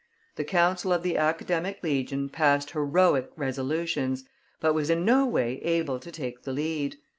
The council of the Academic Legion passed heroic resolutions, but was in no way able to take the lead.